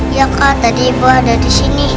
iya kak tadi ibu ada disini